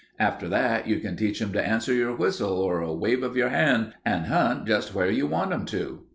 After that, you can teach 'em to answer your whistle or a wave of your hand and hunt just where you want 'em to."